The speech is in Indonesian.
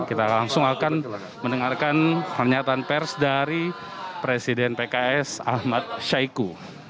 kita langsung akan mendengarkan pernyataan pers dari presiden pks ahmad syaiqo